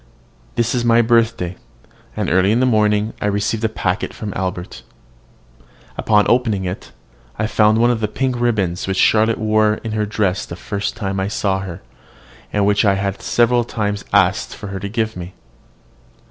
This is my birthday, and early in the morning I received a packet from Albert. Upon opening it, I found one of the pink ribbons which Charlotte wore in her dress the first time I saw her, and which I had several times asked her to give me.